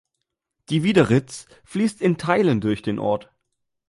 Die Wiederitz fließt in Teilen durch den Ort.